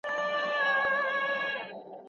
د میر د نازولې لور شاهزۍ «شاهمامې»